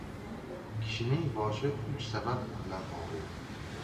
• Kishining boshi uch sabab bilan og‘riydi.